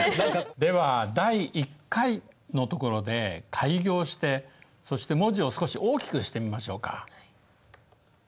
では「第１回」のところで改行してそして文字を少し大きくしてみましょうか。